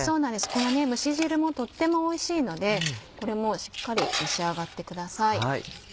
この蒸し汁もとってもおいしいのでこれもしっかり召し上がってください。